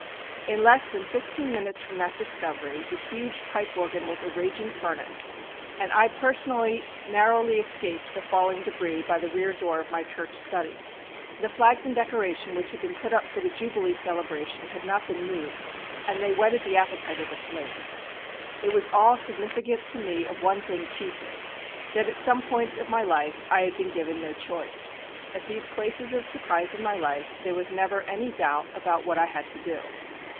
In less than fifteen minutes from that discovery the huge pipe organ was a raging furnace, and I personally narrowly escaped the falling debris by the rear door of my church study. The flags and decoration which had been put up for the jubilee celebration had not been moved, and they whetted the appetite of the flames. It was all significant to me of one thing chiefly, that at some points of my life I had been given no choice. At these places of surprise in my life there was never any doubt about what I had to do.